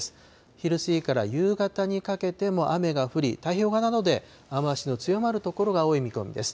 昼過ぎから夕方にかけても雨が降り、太平洋側などで雨足の強まる所が多い見込みです。